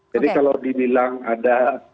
jadi kalau dibilang ada